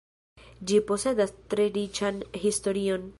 Ĝi posedas tre riĉan historion.